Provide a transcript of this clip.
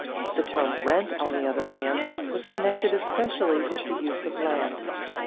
The term rent on the other hand was connected especially with the use of land.